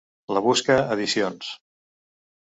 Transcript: La Busca Edicions.